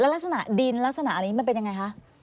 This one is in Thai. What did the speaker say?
แล้วลักษณะดินลักษณะอันนี้ก็มันเป็นอย่างไงคะ